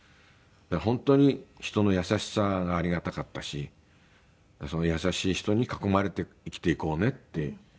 本当に人の優しさがありがたかったし優しい人に囲まれて生きていこうねって。